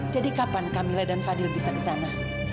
jadi kapan kamila dan fadil bisa ke sana